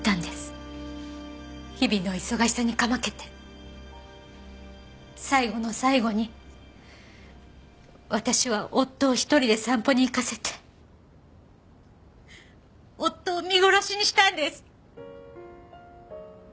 日々の忙しさにかまけて最後の最後に私は夫を１人で散歩に行かせて夫を見殺しにしたんです！